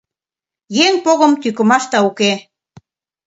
Еҥ погым тӱкымашда уке.